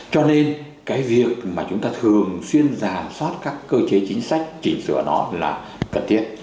cho nên cái việc mà chúng ta thường xuyên giả soát các cơ chế chính sách chỉnh sửa nó là cần thiết